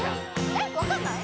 えっ分かんない？